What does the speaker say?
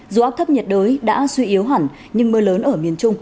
dù áp thấp nhiệt đới đã suy yếu hẳn nhưng mưa lớn ở miền trung